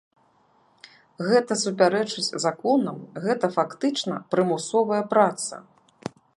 Гэта супярэчыць законам, гэта, фактычна, прымусовая праца.